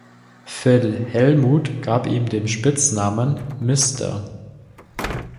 Phil Hellmuth gab ihm den Spitznamen „Mr.